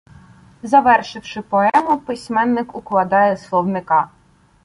Завершивши поему, письменник укладає словника.